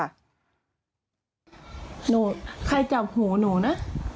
หนูใครจับหูหนูนะ